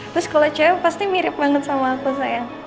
terus kalo cewek pasti mirip banget sama aku sayang